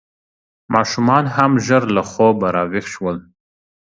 ماشومان هم ژر له خوبه راویښ شول.